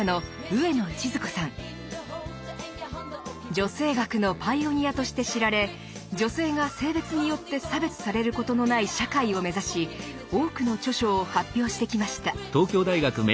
女性学のパイオニアとして知られ女性が性別によって差別されることのない社会を目指し多くの著書を発表してきました。